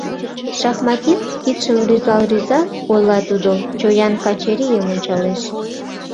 Шахматист! — кидшым рӱзал-рӱзал, ойла тудо, чоян Качырийым ончалеш.